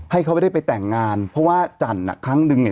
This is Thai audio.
ให้เขาได้ไปแต่งงานเพราะว่าจันทร์ครั้งหนึ่ง